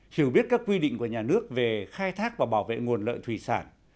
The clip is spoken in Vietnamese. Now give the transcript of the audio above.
hiểu biết các quy định của nhà nước về khai thác và bảo vệ nguồn lợi thủy sản